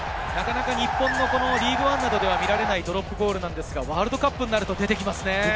日本のリーグワンなどでは見られないドロップゴールですが、ワールドカップになると出てきますね。